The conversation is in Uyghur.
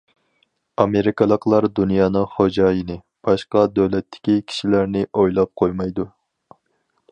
ئامېرىكىلىقلار دۇنيانىڭ خوجايىنى، باشقا دۆلەتتىكى كىشىلەرنى ئويلاپ قويمايدۇ.